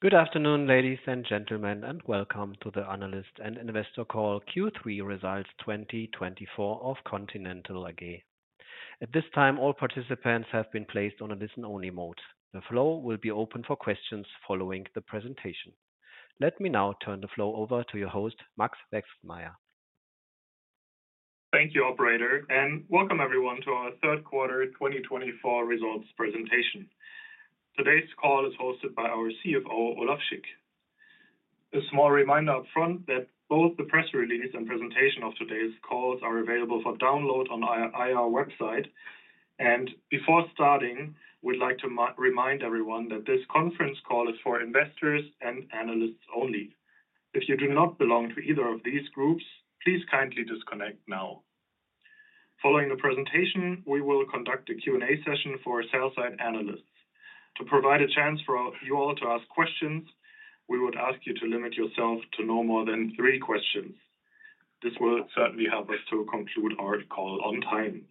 Good afternoon, ladies and gentlemen, and welcome to the Analyst and Investor Call, Q3 Results 2024 of Continental AG. At this time, all participants have been placed on a listen-only mode. The floor will be open for questions following the presentation. Let me now turn the floor over to your host, Max Westmeyer. Thank you, Operator, and welcome everyone to our Third Quarter 2024 Results Presentation. Today's call is hosted by our CFO, Olaf Schick. A small reminder upfront that both the press release and presentation of today's calls are available for download on our website. And before starting, we'd like to remind everyone that this conference call is for investors and analysts only. If you do not belong to either of these groups, please kindly disconnect now. Following the presentation, we will conduct a Q&A session for sell-side analysts. To provide a chance for you all to ask questions, we would ask you to limit yourself to no more than three questions. This will certainly help us to conclude our call on time.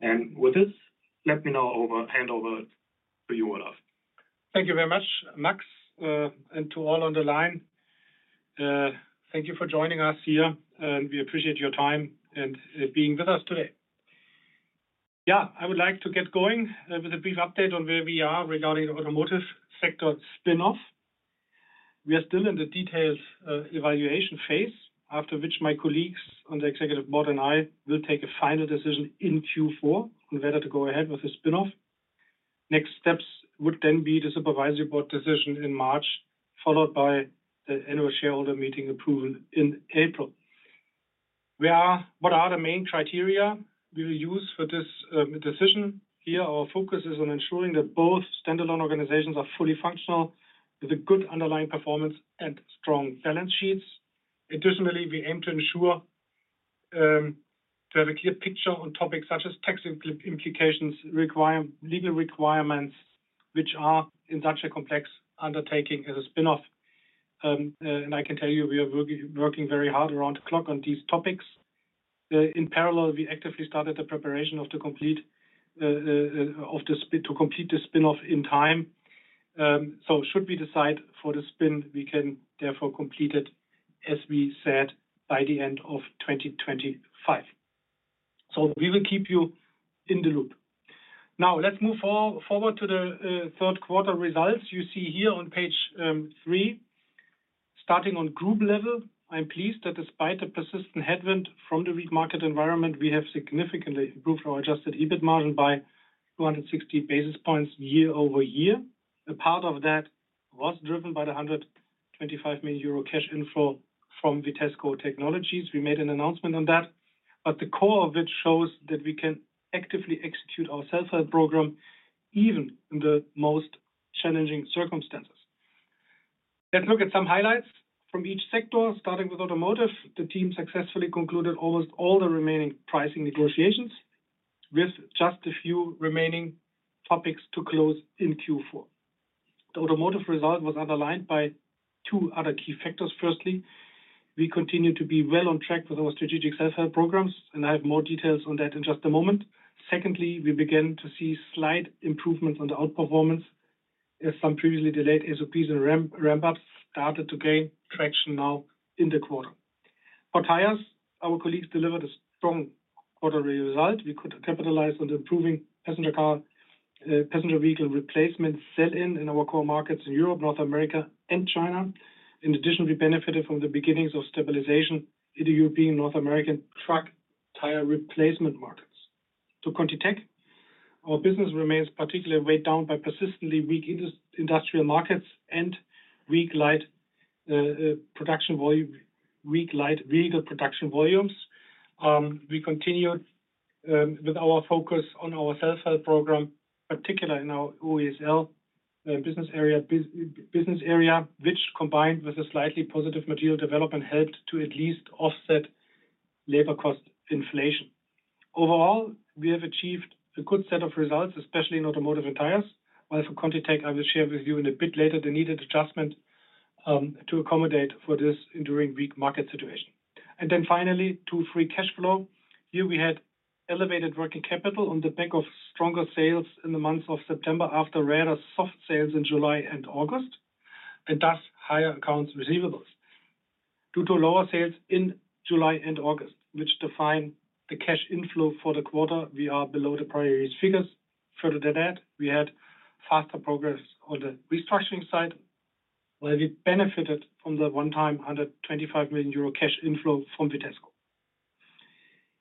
And with this, let me now hand over to you, Olaf. Thank you very much, Max, and to all on the line. Thank you for joining us here, and we appreciate your time and being with us today. Yeah, I would like to get going with a brief update on where we are regarding the Automotive sector spin-off. We are still in the details evaluation phase, after which my colleagues on the Executive Board and I will take a final decision in Q4 on whether to go ahead with the spin-off. Next steps would then be the Supervisory Board decision in March, followed by the Annual Shareholder Meeting approval in April. What are the main criteria we will use for this decision? Here, our focus is on ensuring that both standalone organizations are fully functional with a good underlying performance and strong balance sheets. Additionally, we aim to ensure to have a clear picture on topics such as tax implications, legal requirements, which are in such a complex undertaking as a spin-off. And I can tell you we are working very hard around the clock on these topics. In parallel, we actively started the preparation to complete the spin-off in time. So should we decide for the spin, we can therefore complete it, as we said, by the end of 2025. So we will keep you in the loop. Now, let's move forward to the third quarter results. You see here on page three, starting on group level, I'm pleased that despite the persistent headwind from the weak market environment, we have significantly improved our adjusted EBIT margin by 260 basis points year-over-year. A part of that was driven by the 125 million euro cash inflow from Vitesco Technologies. We made an announcement on that, but the core of it shows that we can actively execute our self-help program even in the most challenging circumstances. Let's look at some highlights from each sector. Starting with Automotive, the team successfully concluded almost all the remaining pricing negotiations, with just a few remaining topics to close in Q4. The Automotive result was underlined by two other key factors. Firstly, we continue to be well on track with our strategic self-help programs, and I have more details on that in just a moment. Secondly, we began to see slight improvements on the outperformance, as some previously delayed SOPs and ramp-ups started to gain traction now in the quarter. For Tires, our colleagues delivered a strong quarterly result. We could capitalize on improving passenger car, passenger vehicle replacement sell-in in our core markets in Europe, North America, and China. In addition, we benefited from the beginnings of stabilization in the European and North American truck tire replacement markets. For ContiTech, our business remains particularly weighed down by persistently weak industrial markets and weak light production volumes. We continued with our focus on our self-help program, particularly in our OESL business area, which, combined with a slightly positive material development, helped to at least offset labor cost inflation. Overall, we have achieved a good set of results, especially in Automotive and Tires, while for ContiTech, I will share with you in a bit later the needed adjustment to accommodate for this enduring weak market situation. And then finally, to free cash flow, here we had elevated working capital on the back of stronger sales in the months of September after rather soft sales in July and August, and thus higher accounts receivable. Due to lower sales in July and August, which defined the cash inflow for the quarter, we are below the prior year's figures. Further than that, we had faster progress on the restructuring side, where we benefited from the one-time 125 million euro cash inflow from Vitesco.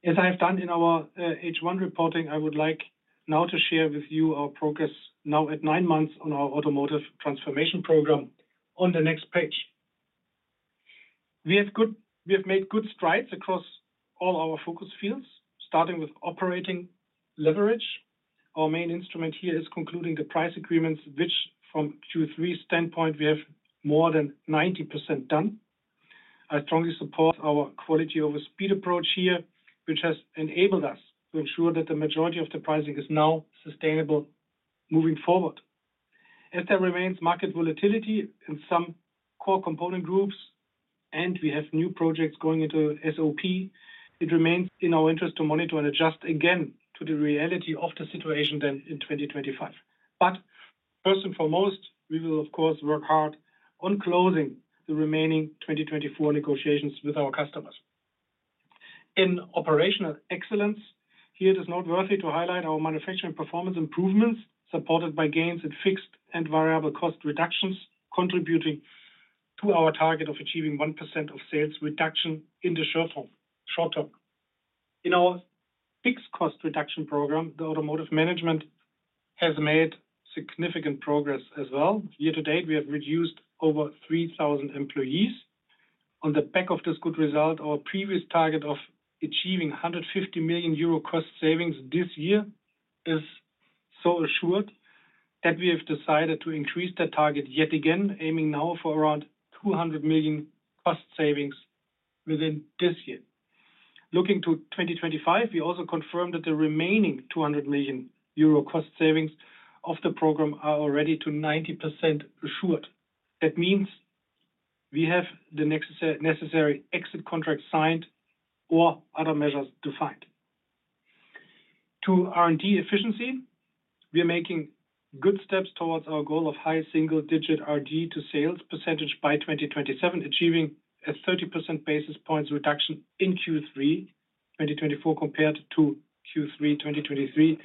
As I have done in our H1 reporting, I would like now to share with you our progress now at nine months on our Automotive transformation program on the next page. We have made good strides across all our focus fields, starting with operating leverage. Our main instrument here is concluding the price agreements, which, from Q3 standpoint, we have more than 90% done. I strongly support our quality-over-speed approach here, which has enabled us to ensure that the majority of the pricing is now sustainable moving forward. As there remains market volatility in some core component groups, and we have new projects going into SOP, it remains in our interest to monitor and adjust again to the reality of the situation then in 2025. But first and foremost, we will, of course, work hard on closing the remaining 2024 negotiations with our customers. In operational excellence, here it is noteworthy to highlight our manufacturing performance improvements supported by gains in fixed and variable cost reductions, contributing to our target of achieving 1% of sales reduction in the short term. In our fixed cost reduction program, the automotive management has made significant progress as well. Year to date, we have reduced over 3,000 employees. On the back of this good result, our previous target of achieving 150 million euro cost savings this year is so assured that we have decided to increase that target yet again, aiming now for around 200 million cost savings within this year. Looking to 2025, we also confirmed that the remaining 200 million euro cost savings of the program are already to 90% assured. That means we have the necessary exit contract signed or other measures defined. To R&D efficiency, we are making good steps towards our goal of high single-digit R&D to sales percentage by 2027, achieving a 30 basis points reduction in Q3 2024 compared to Q3 2023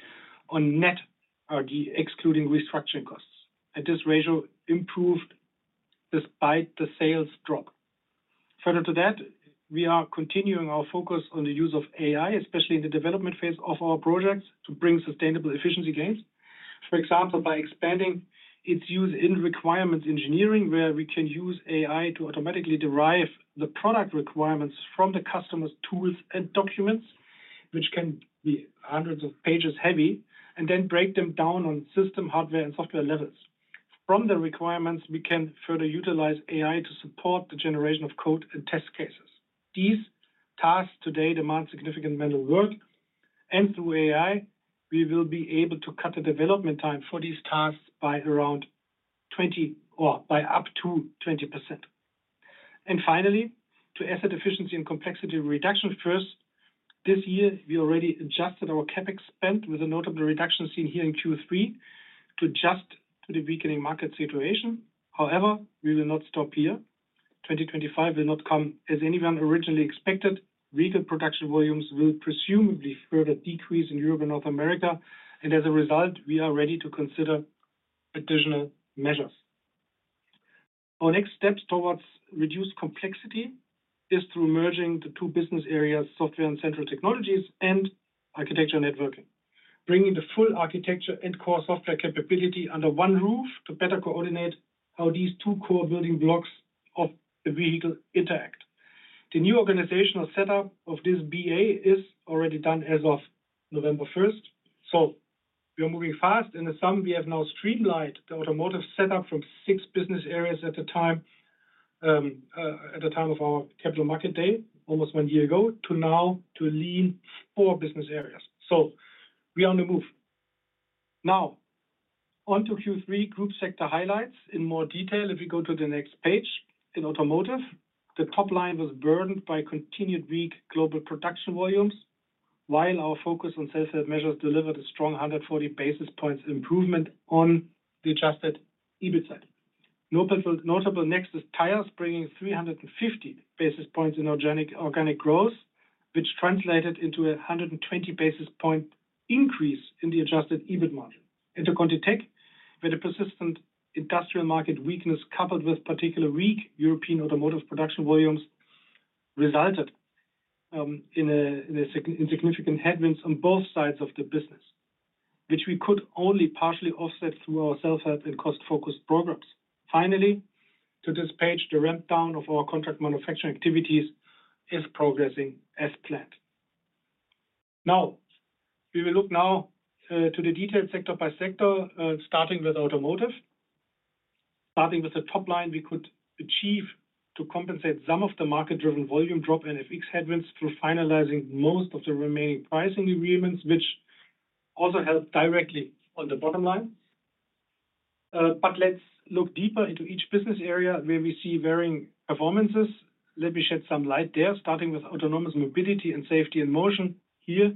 on net R&D, excluding restructuring costs, and this ratio improved despite the sales drop. Further to that, we are continuing our focus on the use of AI, especially in the development phase of our projects, to bring sustainable efficiency gains. For example, by expanding its use in requirements engineering, where we can use AI to automatically derive the product requirements from the customer's tools and documents, which can be hundreds of pages heavy, and then break them down on system, hardware, and software levels. From the requirements, we can further utilize AI to support the generation of code and test cases. These tasks today demand significant manual work, and through AI, we will be able to cut the development time for these tasks by around 20% or by up to 20%, and finally, to asset efficiency and complexity reduction, first, this year, we already adjusted our CapEx spend with a notable reduction seen here in Q3 to adjust to the weakening market situation. However, we will not stop here. 2025 will not come as anyone originally expected. Vehicle production volumes will presumably further decrease in Europe and North America, and as a result, we are ready to consider additional measures. Our next steps towards reduced complexity is through merging the two business areas, Software and Central Technologies, and Architecture and Networking, bringing the full architecture and core software capability under one roof to better coordinate how these two core building blocks of the vehicle interact. The new organizational setup of this BA is already done as of November 1st. So we are moving fast. In summary, we have now streamlined the automotive setup from six business areas at the time of our Capital Market Day, almost one year ago, to now to lean four business areas. So we are on the move. Now, on to Q3 group sector highlights in more detail. If we go to the next page in Automotive, the top line was burdened by continued weak global production volumes, while our focus on self-help measures delivered a strong 140 basis points improvement on the adjusted EBIT side. Notable next is Tires, bringing 350 basis points in organic growth, which translated into a 120 basis point increase in the adjusted EBIT margin. And to ContiTech, where the persistent industrial market weakness coupled with particularly weak European automotive production volumes resulted in significant headwinds on both sides of the business, which we could only partially offset through our self-help and cost-focused programs. Finally, to this page, the ramp-down of our contract manufacturing activities is progressing as planned. Now, we will look to the detailed sector by sector, starting with Automotive. Starting with the top line, we could achieve to compensate some of the market-driven volume drop and FX headwinds through finalizing most of the remaining pricing agreements, which also help directly on the bottom line. But let's look deeper into each business area where we see varying performances. Let me shed some light there, starting with Autonomous Mobility and Safety and Motion. Here,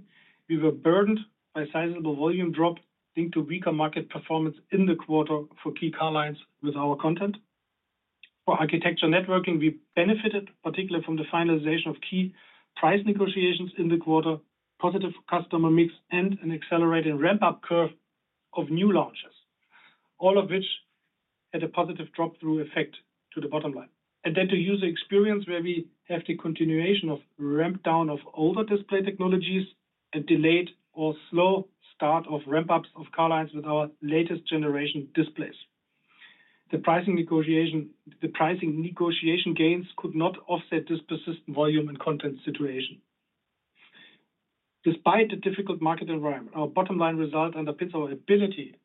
we were burdened by sizable volume drop linked to weaker market performance in the quarter for key car lines with our content. For Architecture Networking, we benefited particularly from the finalization of key price negotiations in the quarter, positive customer mix, and an accelerated ramp-up curve of new launches, all of which had a positive drop-through effect to the bottom line. Then to User Experience, where we have the continuation of ramp-down of older display technologies and delayed or slow start of ramp-ups of car lines with our latest generation displays. The pricing negotiation gains could not offset this persistent volume and content situation. Despite the difficult market environment, our bottom line result underpins our ability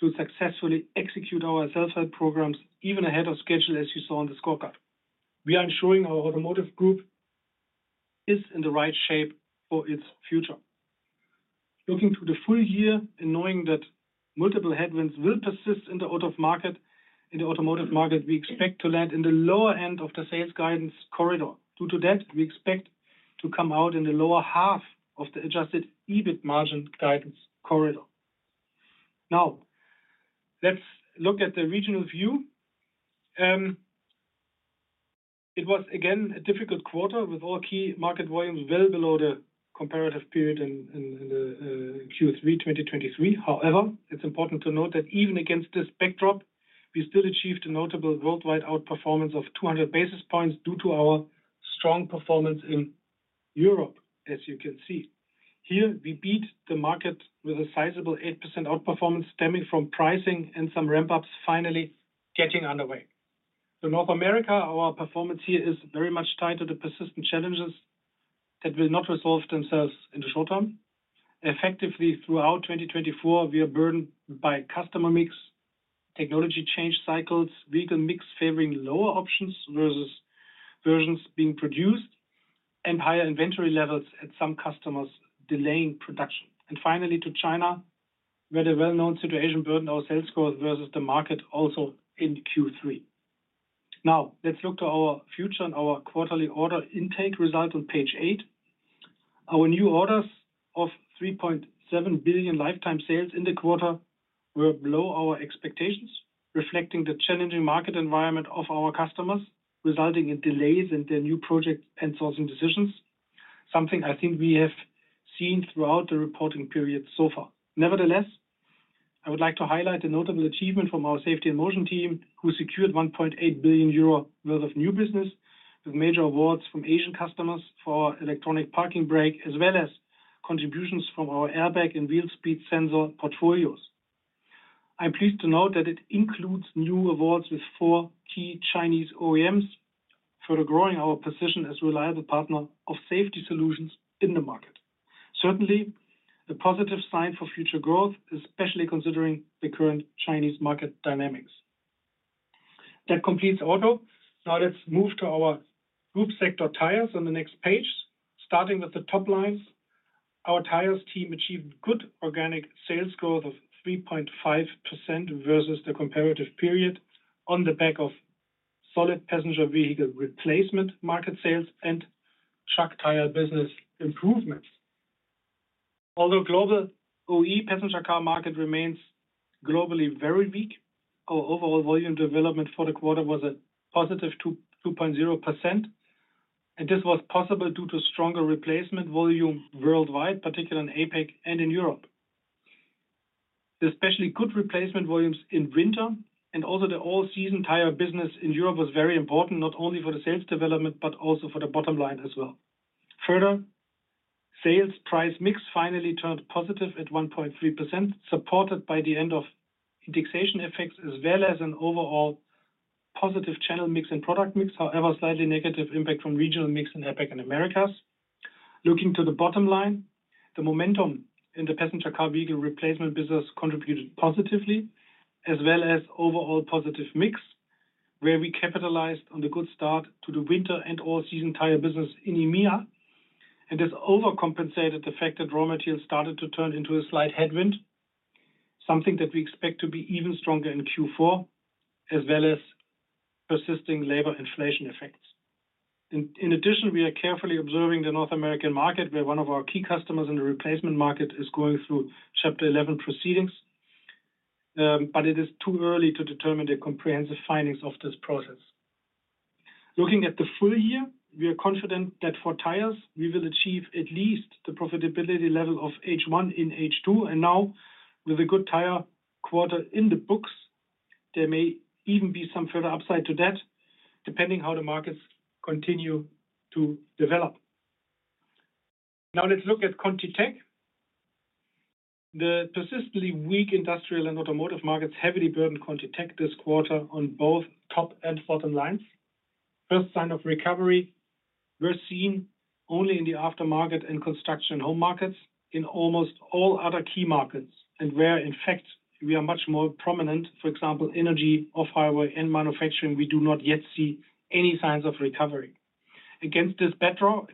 to successfully execute our self-help programs even ahead of schedule, as you saw on the scorecard. We are ensuring our Automotive group is in the right shape for its future. Looking to the full year, and knowing that multiple headwinds will persist in the auto market, in the automotive market, we expect to land in the lower end of the sales guidance corridor. Due to that, we expect to come out in the lower half of the adjusted EBIT margin guidance corridor. Now, let's look at the regional view. It was, again, a difficult quarter with all key market volumes well below the comparative period in Q3 2023. However, it's important to note that even against this backdrop, we still achieved a notable worldwide outperformance of 200 basis points due to our strong performance in Europe, as you can see. Here, we beat the market with a sizable 8% outperformance stemming from pricing and some ramp-ups finally getting underway. For North America, our performance here is very much tied to the persistent challenges that will not resolve themselves in the short term. Effectively, throughout 2024, we are burdened by customer mix, technology change cycles, vehicle mix favoring lower options versus versions being produced, and higher inventory levels at some customers delaying production, and finally to China, where the well-known situation burdened our sales growth versus the market also in Q3. Now, let's look to our future and our quarterly order intake result on page eight. Our new orders of 3.7 billion lifetime sales in the quarter were below our expectations, reflecting the challenging market environment of our customers, resulting in delays in their new project and sourcing decisions, something I think we have seen throughout the reporting period so far. Nevertheless, I would like to highlight a notable achievement from our Safety and Motion team, who secured 1.8 billion euro worth of new business with major awards from Asian customers for our Electronic Parking Brake, as well as contributions from our airbag and wheel speed sensor portfolios. I'm pleased to note that it includes new awards with four key Chinese OEMs, further growing our position as a reliable partner of safety solutions in the market. Certainly, a positive sign for future growth, especially considering the current Chinese market dynamics. That completes Auto. Now, let's move to our group sector Tires on the next page. Starting with the top lines, our Tires team achieved good organic sales growth of 3.5% versus the comparative period on the back of solid passenger vehicle replacement market sales and truck tire business improvements. Although global OE passenger car market remains globally very weak, our overall volume development for the quarter was a positive 2.0%. And this was possible due to stronger replacement volume worldwide, particularly in APAC and in Europe. Especially good replacement volumes in winter and also the all-season tire business in Europe was very important, not only for the sales development, but also for the bottom line as well. Further, sales price mix finally turned positive at 1.3%, supported by the end of indexation effects as well as an overall positive channel mix and product mix, however, slightly negative impact from regional mix in APAC and Americas. Looking to the bottom line, the momentum in the passenger car vehicle replacement business contributed positively, as well as overall positive mix, where we capitalized on the good start to the winter and all-season tire business in EMEA, and this overcompensated the fact that raw materials started to turn into a slight headwind, something that we expect to be even stronger in Q4, as well as persisting labor inflation effects. In addition, we are carefully observing the North American market, where one of our key customers in the replacement market is going through Chapter 11 proceedings, but it is too early to determine the comprehensive findings of this process. Looking at the full year, we are confident that for Tires, we will achieve at least the profitability level of H1 in H2, and now with a good tire quarter in the books, there may even be some further upside to that, depending on how the markets continue to develop. Now, let's look at ContiTech. The persistently weak industrial and automotive markets heavily burdened ContiTech this quarter on both top and bottom lines. First sign of recovery was seen only in the aftermarket and construction home markets in almost all other key markets, and where, in fact, we are much more prominent, for example, energy, off-highway, and manufacturing, we do not yet see any signs of recovery. Against this backdrop,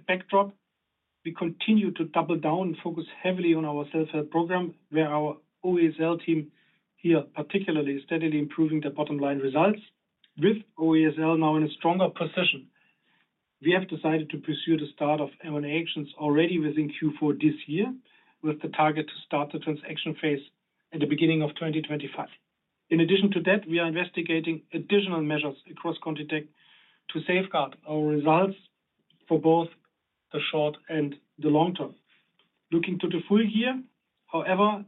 we continue to double down and focus heavily on our self-help program, where our OESL team here particularly is steadily improving the bottom line results. With OESL now in a stronger position, we have decided to pursue the start of M&A actions already within Q4 this year, with the target to start the transaction phase at the beginning of 2025. In addition to that, we are investigating additional measures across ContiTech to safeguard our results for both the short and the long term. Looking to the full year, however,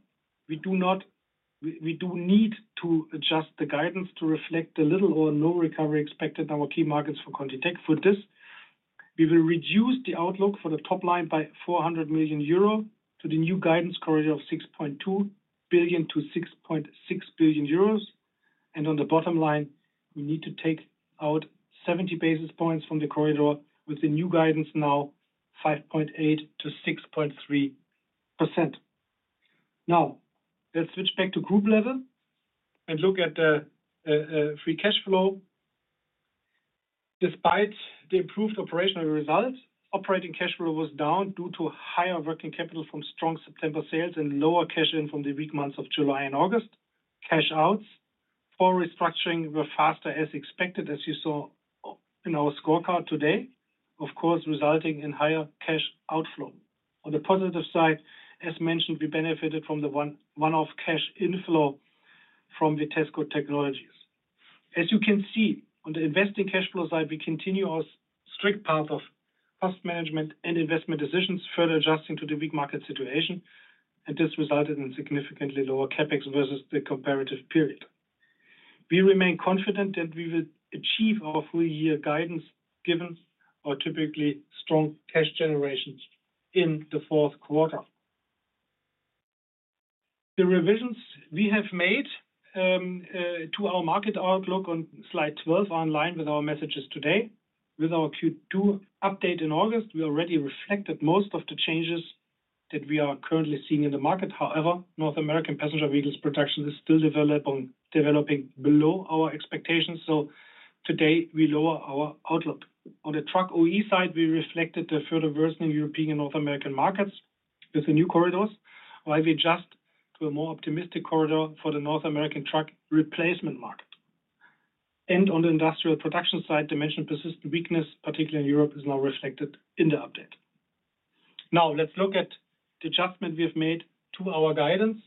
we do need to adjust the guidance to reflect the little or no recovery expected in our key markets for ContiTech. For this, we will reduce the outlook for the top line by 400 million euro to the new guidance corridor of 6.2 billion-6.6 billion euros. And on the bottom line, we need to take out 70 basis points from the corridor with the new guidance now 5.8%-6.3%. Now, let's switch back to group level and look at the free cash flow. Despite the improved operational results, operating cash flow was down due to higher working capital from strong September sales and lower cash in from the weak months of July and August. Cash outs for restructuring were faster as expected, as you saw in our scorecard today, of course, resulting in higher cash outflow. On the positive side, as mentioned, we benefited from the one-off cash inflow from Vitesco Technologies. As you can see, on the investing cash flow side, we continue our strict path of cost management and investment decisions, further adjusting to the weak market situation, and this resulted in significantly lower CapEx versus the comparative period. We remain confident that we will achieve our full-year guidance given our typically strong cash generations in the fourth quarter. The revisions we have made to our market outlook on slide 12 are in line with our messages today. With our Q2 update in August, we already reflected most of the changes that we are currently seeing in the market. However, North American passenger vehicles production is still developing below our expectations, so today we lower our outlook. On the truck OE side, we reflected the further worsening European and North American markets with the new corridors, while we adjust to a more optimistic corridor for the North American truck replacement market, and on the industrial production side, the mentioned persistent weakness, particularly in Europe, is now reflected in the update. Now, let's look at the adjustment we have made to our guidance.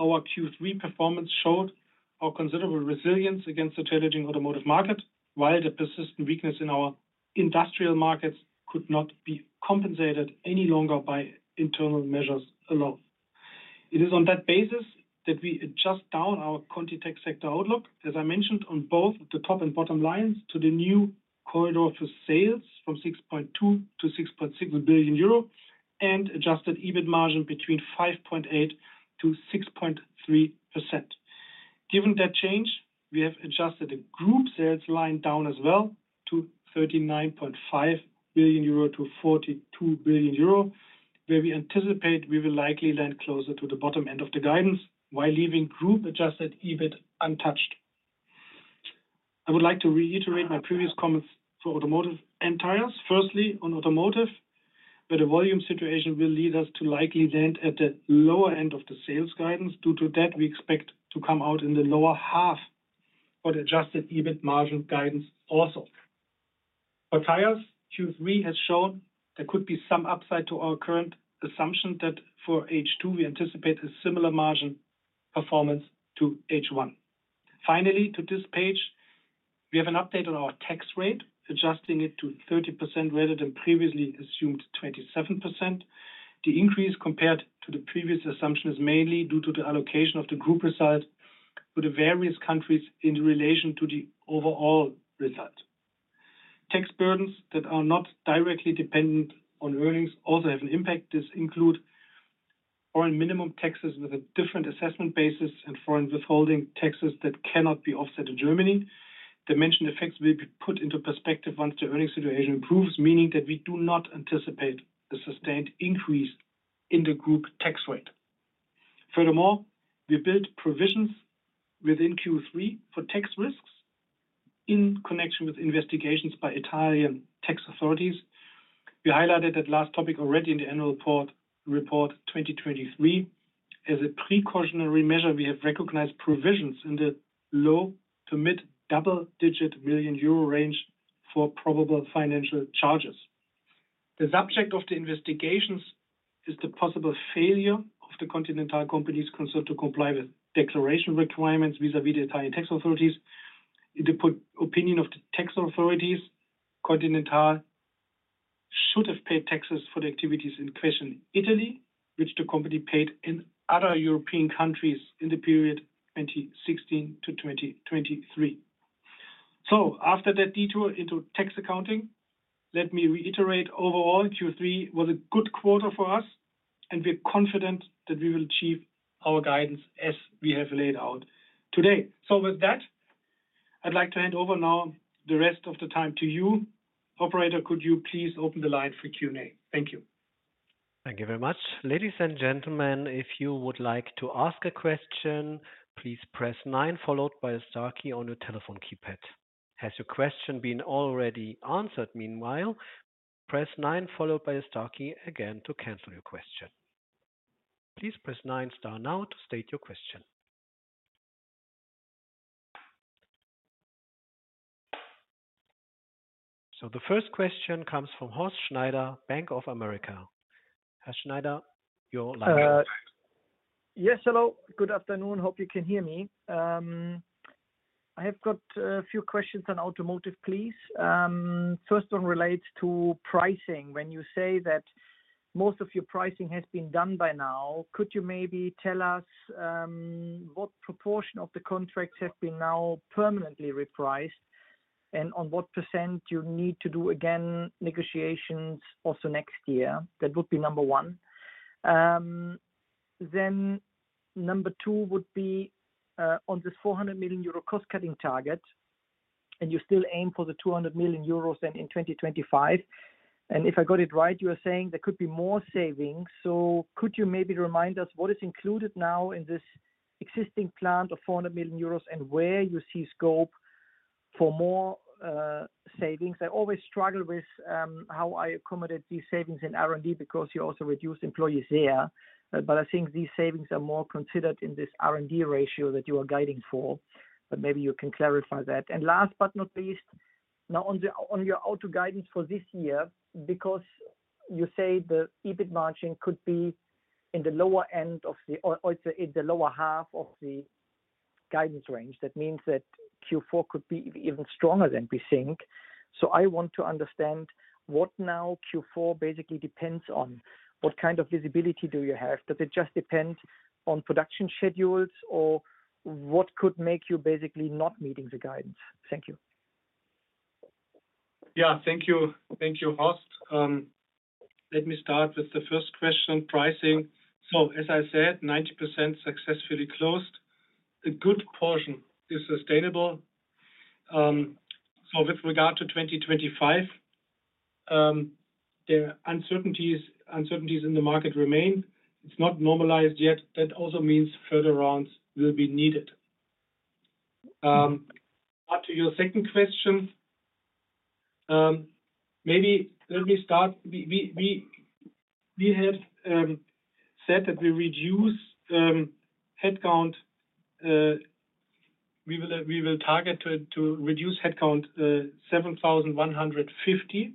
Our Q3 performance showed our considerable resilience against the challenging automotive market, while the persistent weakness in our industrial markets could not be compensated any longer by internal measures alone. It is on that basis that we adjust down our ContiTech sector outlook, as I mentioned, on both the top and bottom lines to the new corridor for sales from 6.2 billion-6.6 billion euro and adjusted EBIT margin between 5.8%-6.3%. Given that change, we have adjusted the group sales line down as well to 39.5 billion-42 billion euro, where we anticipate we will likely land closer to the bottom end of the guidance while leaving group adjusted EBIT untouched. I would like to reiterate my previous comments for Automotive and Tires. Firstly, on Automotive, where the volume situation will lead us to likely land at the lower end of the sales guidance. Due to that, we expect to come out in the lower half for the adjusted EBIT margin guidance also. For Tires, Q3 has shown there could be some upside to our current assumption that for H2 we anticipate a similar margin performance to H1. Finally, to this page, we have an update on our tax rate, adjusting it to 30% rather than previously assumed 27%. The increase compared to the previous assumption is mainly due to the allocation of the group result for the various countries in relation to the overall result. Tax burdens that are not directly dependent on earnings also have an impact. This includes foreign minimum taxes with a different assessment basis and foreign withholding taxes that cannot be offset in Germany. The mentioned effects will be put into perspective once the earnings situation improves, meaning that we do not anticipate a sustained increase in the group tax rate. Furthermore, we built provisions within Q3 for tax risks in connection with investigations by Italian tax authorities. We highlighted that last topic already in the Annual Report 2023. As a precautionary measure, we have recognized provisions in the low- to mid-double-digit million euro range for probable financial charges. The subject of the investigations is the possible failure of the Continental companies concerned to comply with declaration requirements vis-à-vis the Italian tax authorities. In the opinion of the tax authorities, Continental should have paid taxes for the activities in question in Italy, which the company paid in other European countries in the period 2016 to 2023. So, after that detour into tax accounting, let me reiterate overall Q3 was a good quarter for us, and we are confident that we will achieve our guidance as we have laid out today. So, with that, I'd like to hand over now the rest of the time to you. Operator, could you please open the line for Q&A? Thank you. Thank you very much. Ladies and gentlemen, if you would like to ask a question, please press nine followed by a star key on your telephone keypad. Has your question been already answered? Meanwhile, press 9 followed by a star key again to cancel your question. Please press nine star now to state your question. So, the first question comes from Horst Schneider, Bank of America. Horst Schneider, your line. Yes, hello. Good afternoon. Hope you can hear me. I have got a few questions on Automotive, please. First one relates to pricing. When you say that most of your pricing has been done by now, could you maybe tell us what proportion of the contracts have been now permanently repriced and on what percent you need to do again negotiations also next year? That would be number one. Then number two would be on this 400 million euro cost-cutting target, and you still aim for the 200 million euros then in 2025. And if I got it right, you are saying there could be more savings. So, could you maybe remind us what is included now in this existing plan of 400 million euros and where you see scope for more savings? I always struggle with how I accommodate these savings in R&D because you also reduce employees there. But I think these savings are more considered in this R&D ratio that you are guiding for. But maybe you can clarify that. And last but not least, now on your auto guidance for this year, because you say the EBIT margin could be in the lower end of the or in the lower half of the guidance range, that means that Q4 could be even stronger than we think. So, I want to understand what now Q4 basically depends on. What kind of visibility do you have? Does it just depend on production schedules or what could make you basically not meeting the guidance? Thank you. Yeah, thank you. Thank you, Horst. Let me start with the first question, pricing. So, as I said, 90% successfully closed. A good portion is sustainable. So, with regard to 2025, the uncertainties in the market remain. It's not normalized yet. That also means further rounds will be needed. Now to your second question. Maybe let me start. We had said that we reduce headcount. We will target to reduce headcount 7,150.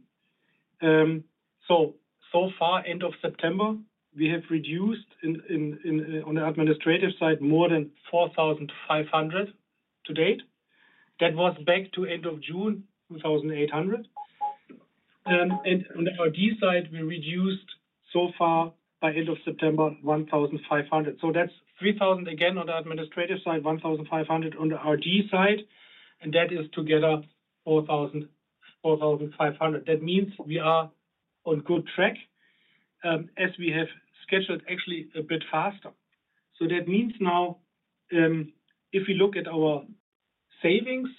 So, so far, end of September, we have reduced on the administrative side more than 4,500 to date. That was back to end of June, 2,800. And on the R&D side, we reduced so far by end of September, 1,500. That's 3,000 again on the administrative side, 1,500 on the R&D side, and that is together 4,500. That means we are on good track as we have scheduled actually a bit faster. That means now if we look at our savings,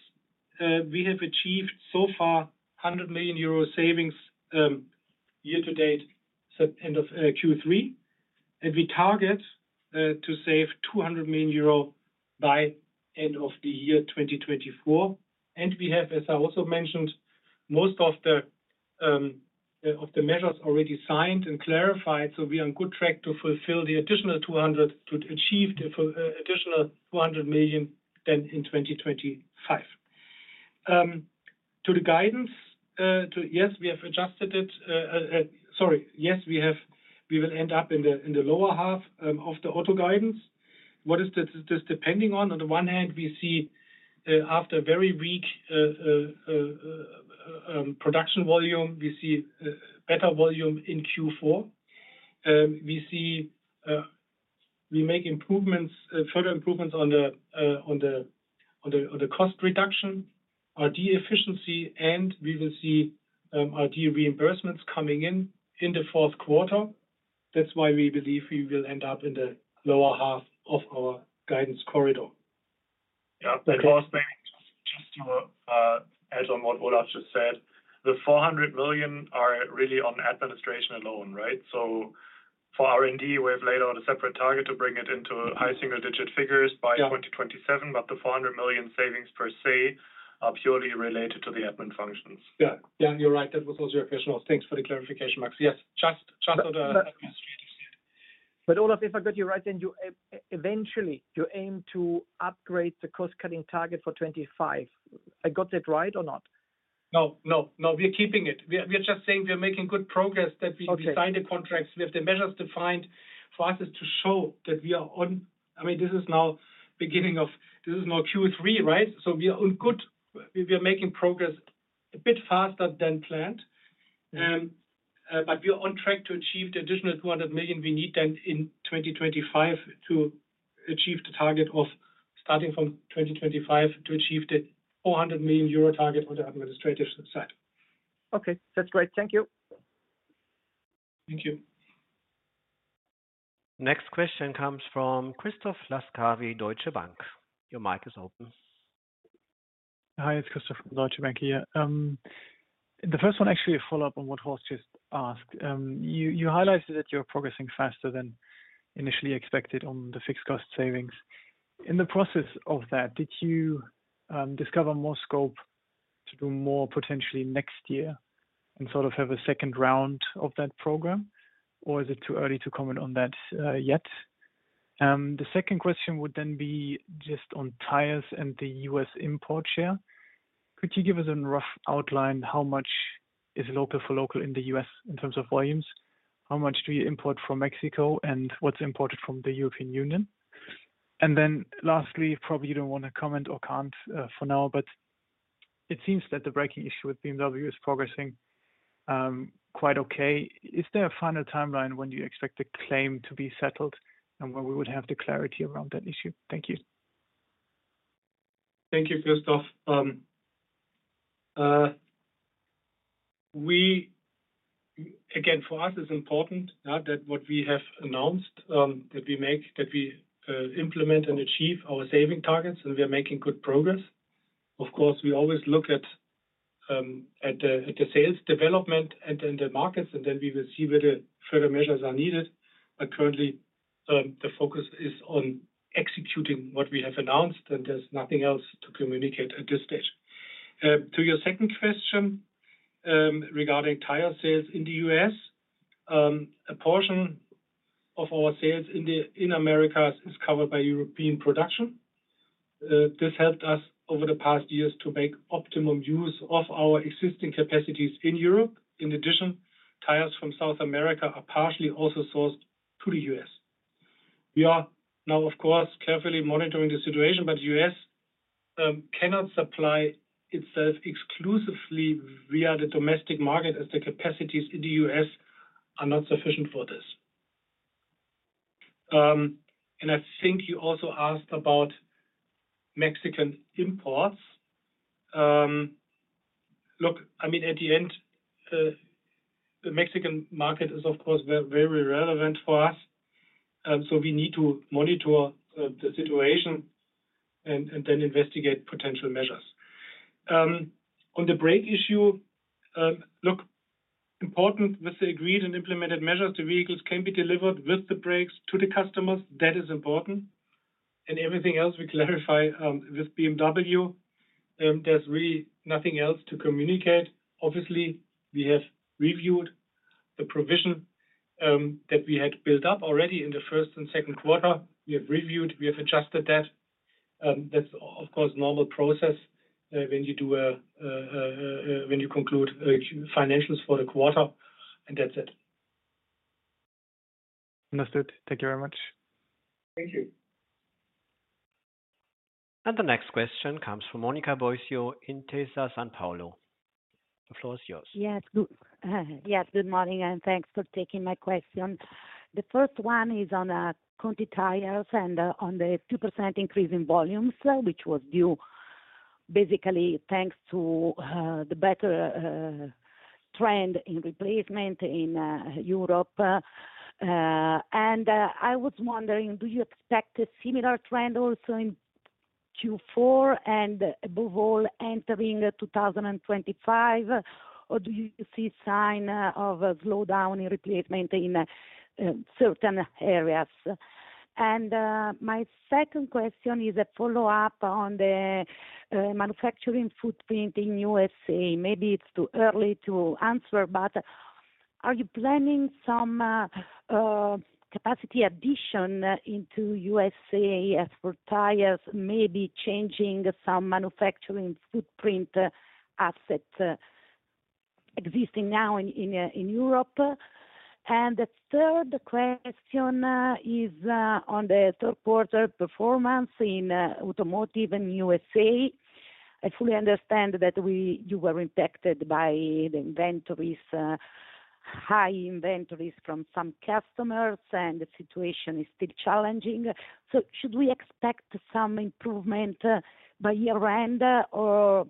we have achieved so far 100 million euro savings year to date end of Q3, and we target to save 200 million euro by end of the year 2024. We have, as I also mentioned, most of the measures already signed and clarified, so we are on good track to fulfill the additional 200 to achieve the additional 200 million then in 2025. To the guidance, yes, we have adjusted it. Sorry, yes, we will end up in the lower half of the auto guidance. What is this depending on? On the one hand, we see after very weak production volume, we see better volume in Q4. We see we make further improvements on the cost reduction, R&D efficiency, and we will see R&D reimbursements coming in in the fourth quarter. That's why we believe we will end up in the lower half of our guidance corridor. Yeah, just to add on what Olaf just said, the 400 million are really on administration alone, right? So, for R&D, we've laid out a separate target to bring it into high single-digit figures by 2027, but the 400 million savings per se are purely related to the admin functions. Yeah, yeah, you're right. That was also your question. Thanks for the clarification, Max. Yes, just on the administrative side. But Olaf, if I got you right, then eventually you aim to upgrade the cost-cutting target for 2025. I got that right or not? No, no, no. We're keeping it. We are just saying we are making good progress that we signed the contracts. We have the measures defined for us to show that we are on, I mean, this is now beginning of, this is now Q3, right? So, we are on good. We are making progress a bit faster than planned, but we are on track to achieve the additional 200 million we need then in 2025 to achieve the target of starting from 2025 to achieve the 400 million euro target on the administrative side. Okay, that's great. Thank you. Thank you. Next question comes from Christoph Laskawi, Deutsche Bank. Your mic is open. Hi, it's Christoph from Deutsche Bank here. The first one actually a follow-up on what Horst just asked. You highlighted that you're progressing faster than initially expected on the fixed cost savings. In the process of that, did you discover more scope to do more potentially next year and sort of have a second round of that program, or is it too early to comment on that yet? The second question would then be just on Tires and the U.S. import share. Could you give us a rough outline how much is local for local in the U.S. in terms of volumes? How much do you import from Mexico and what's imported from the European Union? And then lastly, probably you don't want to comment or can't for now, but it seems that the braking issue with BMW is progressing quite okay. Is there a final timeline when you expect the claim to be settled and when we would have the clarity around that issue? Thank you. Thank you, Christoph. Again, for us, it's important that what we have announced, that we make, that we implement and achieve our saving targets, and we are making good progress. Of course, we always look at the sales development and then the markets, and then we will see whether further measures are needed. But currently, the focus is on executing what we have announced, and there's nothing else to communicate at this stage. To your second question regarding tire sales in the U.S., a portion of our sales in America is covered by European production. This helped us over the past years to make optimum use of our existing capacities in Europe. In addition, tires from South America are partially also sourced to the U.S. We are now, of course, carefully monitoring the situation, but the U.S. cannot supply itself exclusively via the domestic market as the capacities in the U.S. are not sufficient for this, and I think you also asked about Mexican imports. Look, I mean, at the end, the Mexican market is, of course, very relevant for us, so we need to monitor the situation and then investigate potential measures. On the brake issue, look, important with the agreed and implemented measures, the vehicles can be delivered with the brakes to the customers. That is important, and everything else we clarify with BMW, there's really nothing else to communicate. Obviously, we have reviewed the provision that we had built up already in the first and second quarter. We have adjusted that. That's, of course, a normal process when you conclude financials for the quarter, and that's it. Understood. Thank you very much. Thank you. And the next question comes from Monica Bosio at Intesa Sanpaolo. The floor is yours. Yes, good morning, and thanks for taking my question. The first one is on the Conti Tires and on the 2% increase in volumes, which was due basically thanks to the better trend in replacement in Europe. And I was wondering, do you expect a similar trend also in Q4 and above all entering 2025, or do you see signs of a slowdown in replacement in certain areas? And my second question is a follow-up on the manufacturing footprint in USA. Maybe it's too early to answer, but are you planning some capacity addition into USA for tires, maybe changing some manufacturing footprint assets existing now in Europe? And the third question is on the third quarter performance in Automotive in USA. I fully understand that you were impacted by the inventories, high inventories from some customers, and the situation is still challenging. So, should we expect some improvement by year-end, or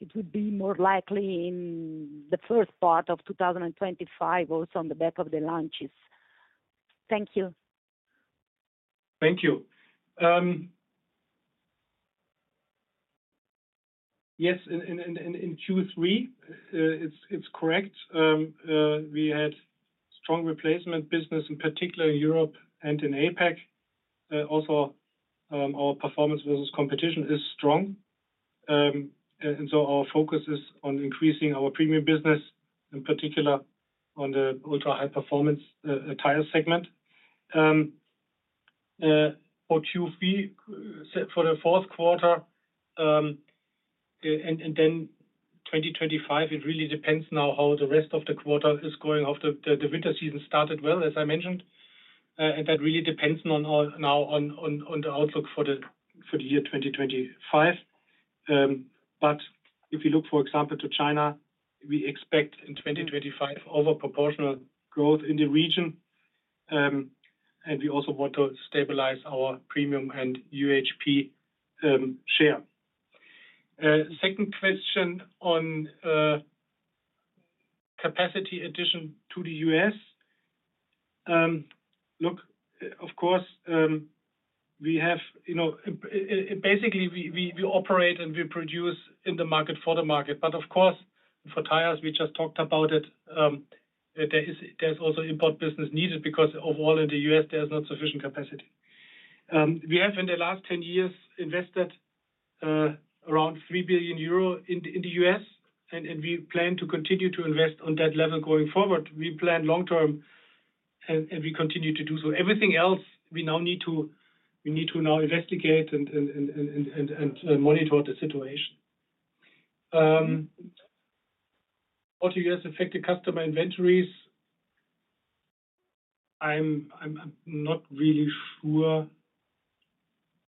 it would be more likely in the first part of 2025 also on the back of the launches? Thank you. Thank you. Yes, in Q3, it's correct. We had strong replacement business, in particular in Europe and in APAC. Also, our performance versus competition is strong. And so, our focus is on increasing our premium business, in particular on the ultra-high performance Tires segment. For Q3, for the fourth quarter, and then 2025, it really depends now how the rest of the quarter is going after the winter season started well, as I mentioned. And that really depends now on the outlook for the year 2025. But if you look, for example, to China, we expect in 2025 overproportional growth in the region. And we also want to stabilize our premium and UHP share. Second question on capacity addition to the U.S. Look, of course, we have basically we operate and we produce in the market for the market. But of course, for Tires, we just talked about it. There's also import business needed because overall in the U.S., there's not sufficient capacity. We have, in the last 10 years, invested around 3 billion euro in the U.S., and we plan to continue to invest on that level going forward. We plan long-term, and we continue to do so. Everything else, we now need to investigate and monitor the situation. What do you guys affect the customer inventories? I'm not really sure.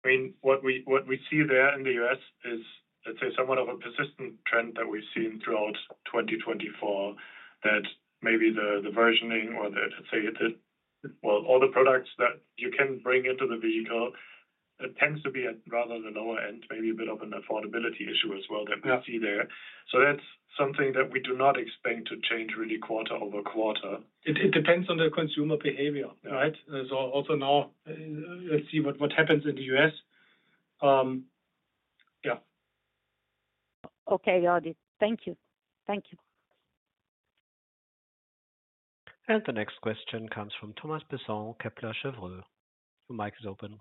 I mean, what we see there in the U.S. is, let's say, somewhat of a persistent trend that we've seen throughout 2024, that maybe the versioning or the, let's say, well, all the products that you can bring into the vehicle, it tends to be at rather the lower end, maybe a bit of an affordability issue as well that we see there. So that's something that we do not expect to change really quarter over quarter. It depends on the consumer behavior, right? So also now, let's see what happens in the U.S. Yeah. Okay, Alright. Thank you. Thank you. And the next question comes from Thomas Besson, Kepler Cheuvreux. Your mic is open.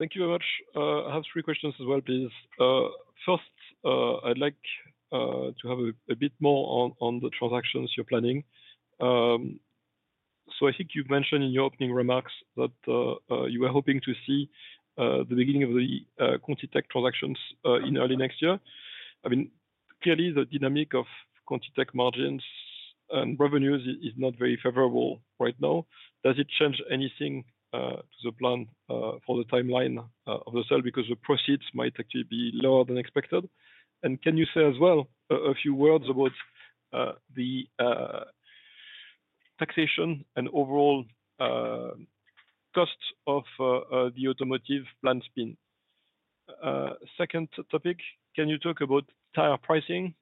Thank you very much. I have three questions as well, please. First, I'd like to have a bit more on the transactions you're planning. So I think you've mentioned in your opening remarks that you were hoping to see the beginning of the Vitesco transactions in early next year. I mean, clearly, the dynamic of ContiTech margins and revenues is not very favorable right now. Does it change anything to the plan for the timeline of the sale because the proceeds might actually be lower than expected? And can you say as well a few words about the taxation and overall cost of the Automotive spin? Second topic, can you talk about tire pricing?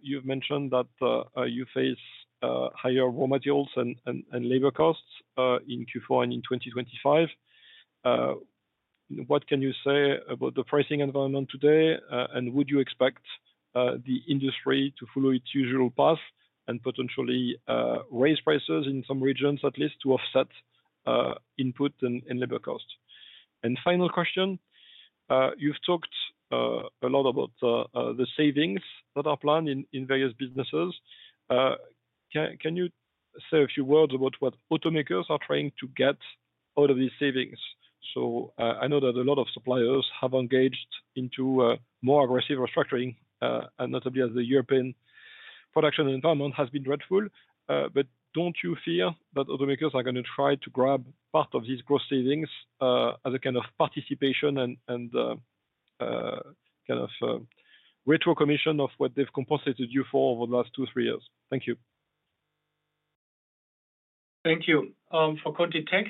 You've mentioned that you face higher raw materials and labor costs in Q4 and in 2025. What can you say about the pricing environment today, and would you expect the industry to follow its usual path and potentially raise prices in some regions at least to offset input and labor cost? And final question, you've talked a lot about the savings that are planned in various businesses. Can you say a few words about what automakers are trying to get out of these savings? So I know that a lot of suppliers have engaged into more aggressive restructuring, notably as the European production environment has been dreadful. But don't you fear that automakers are going to try to grab part of these gross savings as a kind of participation and kind of retro commission of what they've compensated you for over the last two, three years? Thank you. Thank you. For ContiTech,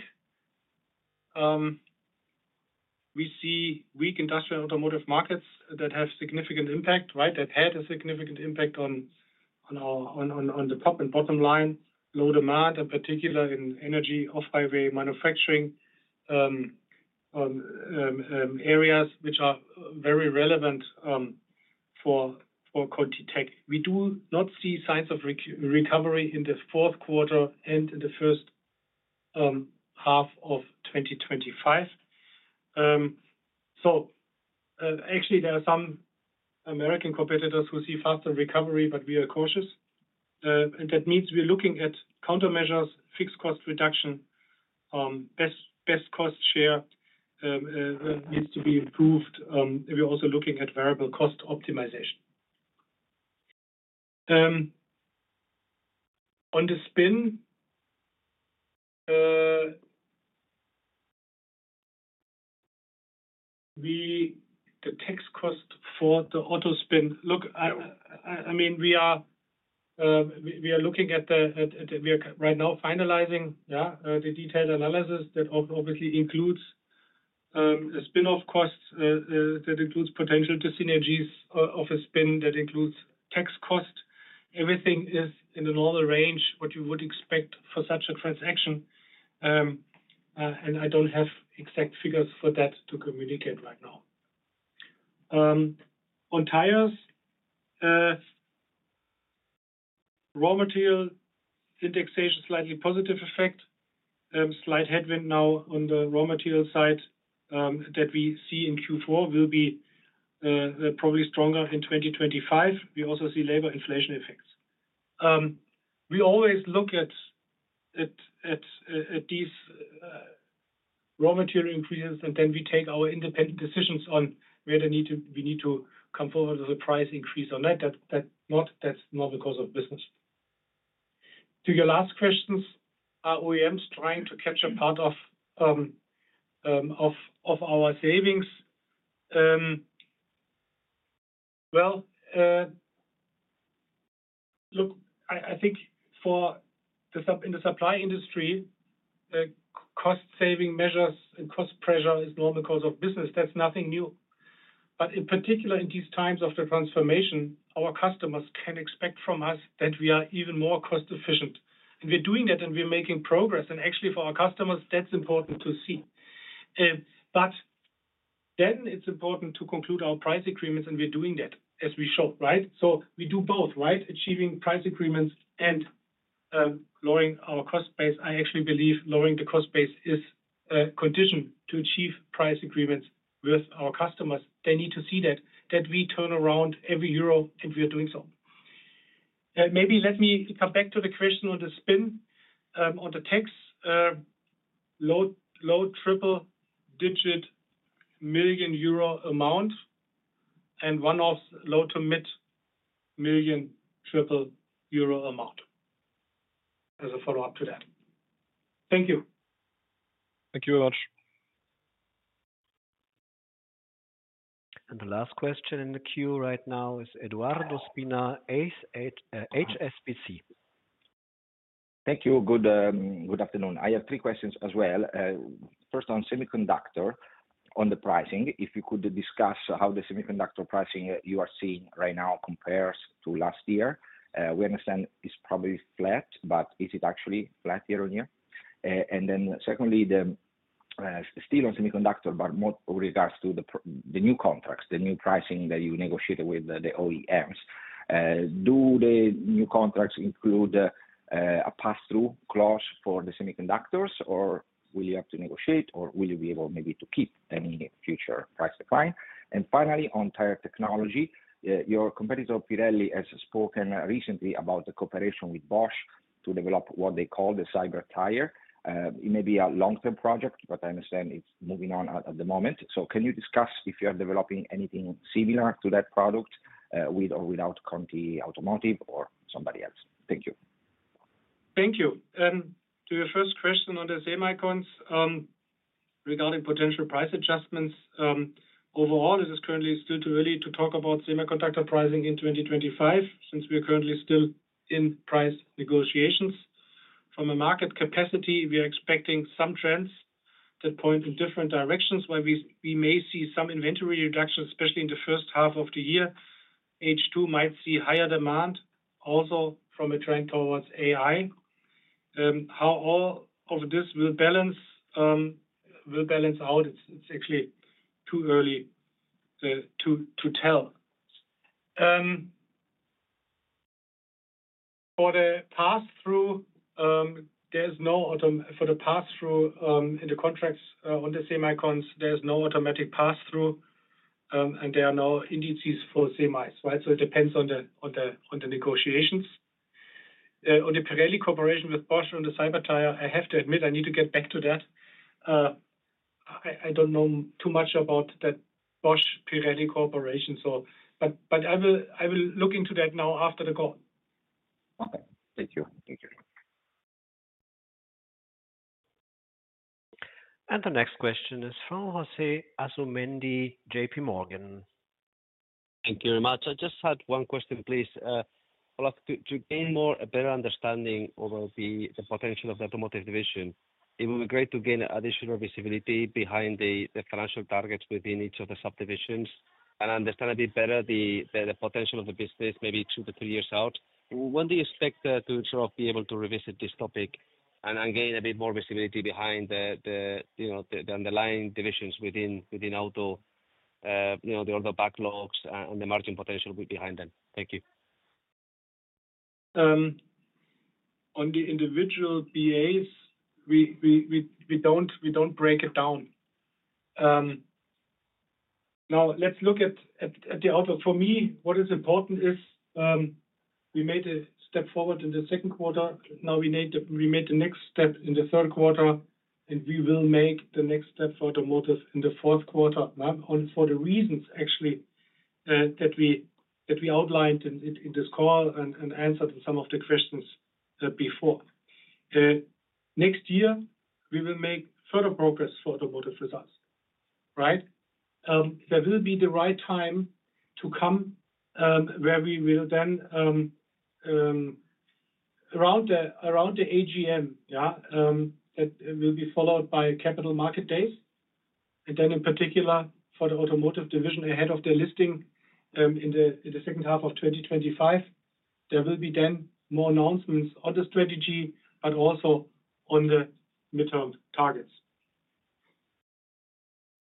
we see weak industrial automotive markets that have significant impact, right? That had a significant impact on the top and bottom line, low demand, in particular in energy, off-highway manufacturing areas, which are very relevant for ContiTech. We do not see signs of recovery in the fourth quarter and in the first half of 2025. So actually, there are some American competitors who see faster recovery, but we are cautious. And that means we're looking at countermeasures, fixed cost reduction, best cost share needs to be improved. We're also looking at variable cost optimization. On the spin, the tax cost for the auto spin, look, I mean, we are looking at the right now finalizing the detailed analysis that obviously includes a spin-off cost that includes potential synergies of a spin that includes tax cost. Everything is in the normal range, what you would expect for such a transaction. And I don't have exact figures for that to communicate right now. On Tires, raw material indexation, slightly positive effect. Slight headwind now on the raw material side that we see in Q4 will be probably stronger in 2025. We also see labor inflation effects. We always look at these raw material increases, and then we take our independent decisions on whether we need to come forward with a price increase or not. That's more because of business. To your last questions, are OEMs trying to capture part of our savings? Well, look, I think for the supply industry, cost-saving measures and cost pressure is normal because of business. That's nothing new, but in particular, in these times of the transformation, our customers can expect from us that we are even more cost-efficient. And we're doing that, and we're making progress, and actually, for our customers, that's important to see. But then it's important to conclude our price agreements, and we're doing that as we show, right? So we do both, right? Achieving price agreements and lowering our cost base. I actually believe lowering the cost base is a condition to achieve price agreements with our customers. They need to see that we turn around every euro, and we are doing so. Maybe let me come back to the question on the spin, on the tax, low triple-digit million EUR amount, and one of low to mid triple-digit million euro amount as a follow-up to that. Thank you. Thank you very much. And the last question in the queue right now is Edoardo Spina, HSBC. Thank you. Good afternoon. I have three questions as well. First, on semiconductor, on the pricing, if you could discuss how the semiconductor pricing you are seeing right now compares to last year. We understand it's probably flat, but is it actually flat year-on-year? And then secondly, still on semiconductor, but more with regards to the new contracts, the new pricing that you negotiated with the OEMs. Do the new contracts include a pass-through clause for the semiconductors, or will you have to negotiate, or will you be able maybe to keep any future price decline? And finally, on tire technology, your competitor Pirelli has spoken recently about the cooperation with Bosch to develop what they call the Cyber Tyre. It may be a long-term project, but I understand it's moving on at the moment. So can you discuss if you are developing anything similar to that product with or without Conti Automotive or somebody else? Thank you. Thank you. To your first question on the semiconductors regarding potential price adjustments, overall, it is currently still too early to talk about semiconductor pricing in 2025 since we are currently still in price negotiations. From a market capacity, we are expecting some trends that point in different directions where we may see some inventory reductions, especially in the first half of the year. H2 might see higher demand also from a trend towards AI. How all of this will balance out, it's actually too early to tell. For the pass-through, there is no auto for the pass-through in the contracts on the semiconductors, there is no automatic pass-through, and there are no indices for semis, right? So it depends on the negotiations. On the Pirelli cooperation with Bosch on the Cyber Tyre, I have to admit I need to get back to that. I don't know too much about that Bosch-Pirelli cooperation, but I will look into that now after the call. Okay. Thank you. Thank you. And the next question is from José Asumendi, JPMorgan. Thank you very much. I just had one question, please. To gain a better understanding of the potential of the Automotive division, it would be great to gain additional visibility behind the financial targets within each of the subdivisions and understand a bit better the potential of the business maybe two to three years out. When do you expect to sort of be able to revisit this topic and gain a bit more visibility behind the underlying divisions within auto, the auto backlogs, and the margin potential behind them? Thank you. On the individual BAs, we don't break it down. Now, let's look at the outlook. For me, what is important is we made a step forward in the second quarter. Now, we made the next step in the third quarter, and we will make the next step for Automotive in the fourth quarter for the reasons actually that we outlined in this call and answered some of the questions before. Next year, we will make further progress for Automotive results, right? There will be the right time to come where we will then around the AGM that will be followed by Capital Market Days. And then in particular, for the Automotive division ahead of their listing in the second half of 2025, there will be then more announcements on the strategy, but also on the midterm targets.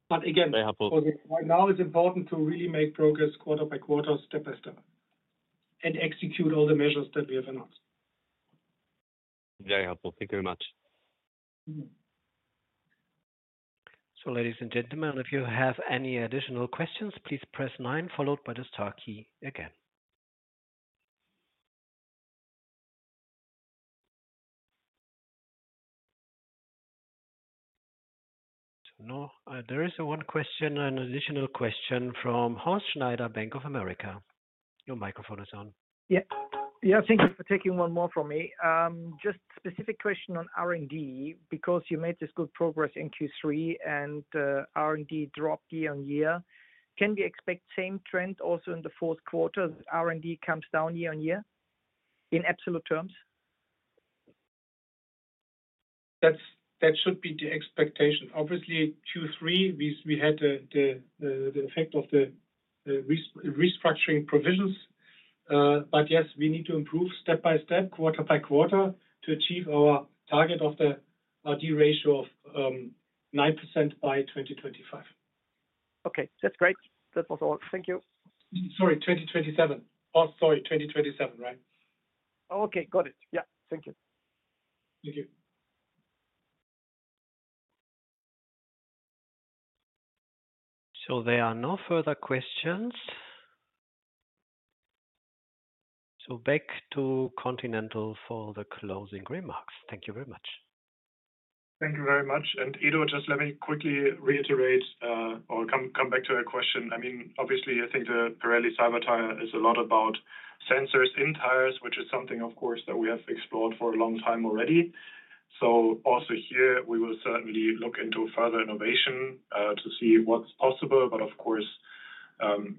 But again, right now, it's important to really make progress quarter by quarter, step by step, and execute all the measures that we have announced. Very helpful. Thank you very much. So ladies and gentlemen, if you have any additional questions, please press nine, followed by the star key again. So now, there is one question, an additional question from Horst Schneider, Bank of America. Your microphone is on. Yeah. Yeah. Thank you for taking one more from me. Just specific question on R&D because you made this good progress in Q3, and R&D dropped year on year. Can we expect same trend also in the fourth quarter? R&D comes down year on year in absolute terms? That should be the expectation. Obviously, Q3, we had the effect of the restructuring provisions. But yes, we need to improve step by step, quarter by quarter to achieve our target of the R&D ratio of 9% by 2025. Okay. That's great. That was all. Thank you. Sorry, 2027. Oh, sorry, 2027, right? Okay. Got it. Yeah. Thank you. Thank you. So there are no further questions. So back to Continental for the closing remarks. Thank you very much. Thank you very much. And Edo, just let me quickly reiterate or come back to your question. I mean, obviously, I think the Pirelli Cyber Tyre is a lot about sensors in Tires, which is something, of course, that we have explored for a long time already. So also here, we will certainly look into further innovation to see what's possible. But of course,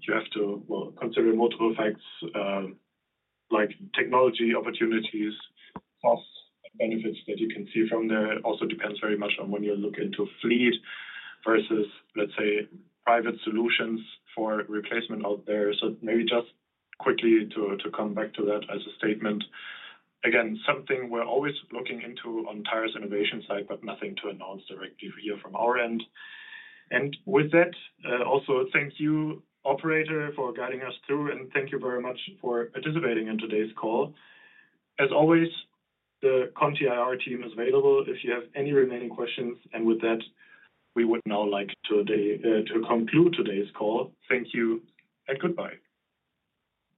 you have to consider multiple facts like technology opportunities, cost benefits that you can see from there. It also depends very much on when you look into fleet versus, let's say, private solutions for replacement out there. So maybe just quickly to come back to that as a statement. Again, something we're always looking into on Tires innovation side, but nothing to announce directly here from our end. And with that, also thank you, operator, for guiding us through, and thank you very much for participating in today's call. As always, the Conti IR team is available if you have any remaining questions. And with that, we would now like to conclude today's call. Thank you and goodbye